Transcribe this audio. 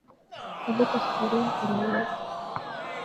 Bandika sufuria kwenye moto